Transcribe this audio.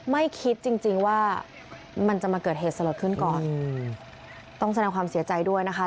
ไม่คิดจริงจริงว่ามันจะมาเกิดเหตุสลดขึ้นก่อนต้องแสดงความเสียใจด้วยนะคะ